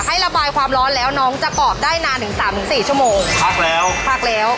ให้ระบายความร้อนแล้วน้องจะกรอบได้นานถึงสามถึงสี่ชั่วโมงพักแล้วพักแล้ว